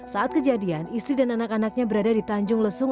saat kejadian istri dan anak anaknya berada di tanjung lesung